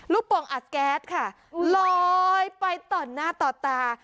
โป่งอัดแก๊สค่ะลอยไปต่อหน้าต่อตา